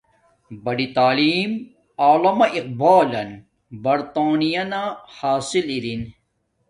بڑی تعیم وعلامہ اقبالن برتانہ یانا حاصل ارن